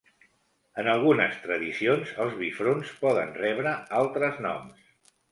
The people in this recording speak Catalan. En algunes tradicions els bifronts poden rebre altres noms.